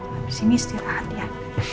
habis ini istirahat ya